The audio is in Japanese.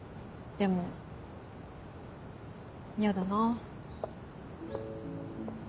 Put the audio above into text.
でも嫌だな。